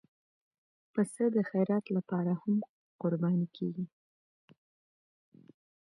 پسه د خیرات لپاره هم قرباني کېږي.